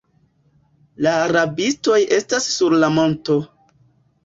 La rabistoj estas sur la monto.